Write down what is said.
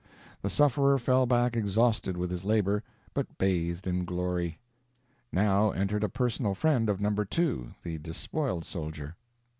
The sufferer fell back exhausted with his labor, but bathed in glory. Now entered a personal friend of No. 2, the despoiled soldier.